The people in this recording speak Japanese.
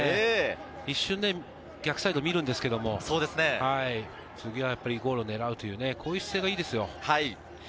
一瞬、逆サイドを見るんですけど、次はやっぱりゴールを狙うというこういう姿勢がいいですよ。